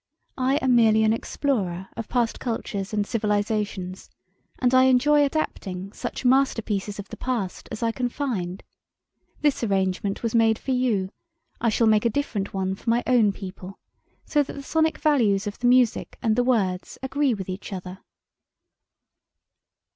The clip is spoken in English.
I am merely an explorer of past cultures and civilizations, and I enjoy adapting such masterpieces of the past as I can find. This arrangement was made for you; I shall make a different one for my own people, so that the sonic values of the music and the words agree with each other."